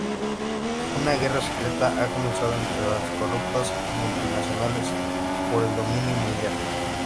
Una guerra secreta ha comenzado entre las corruptas multinacionales por el dominio mundial.